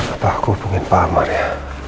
apa aku hubungin pak amar ya